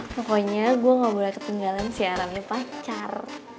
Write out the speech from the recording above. pokoknya gue gak boleh ketinggalan siarannya pacar